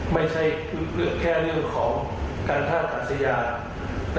ไม่ใช่แค่เรื่องของการท่าอากาศยาน